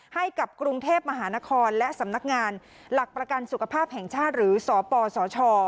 ให้กับกรุงเทพมหานครและสำนักงานหลักประกันสุขภาพแห่งชาติหรือสปสช